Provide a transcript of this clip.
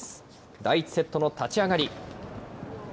第１セットの立ち上がり。